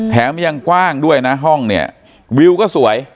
แถมยังกว้างด้วยนะห้องเนี่ยวิวก็สวย